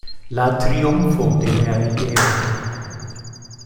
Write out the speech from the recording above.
La triumfo de la ideo!